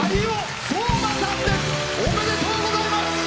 おめでとうございます。